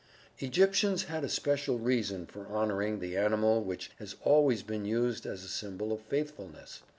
Egyptians had a special reason for honoring the animal which has always been used as a symbol of faithfulness.